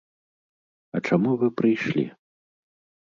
А чаму вы прыйшлі?